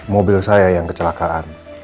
mobil saya yang kecelakaan